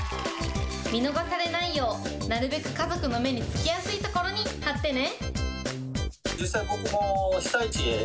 見逃されないよう、なるべく家族の目につきやすい所に貼ってね。